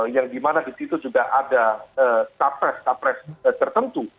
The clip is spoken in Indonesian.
yang di mana di situ juga ada tapres tapres tertentu